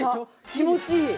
気持ちいい！